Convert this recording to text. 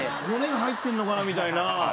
骨が入ってんのかなみたいな。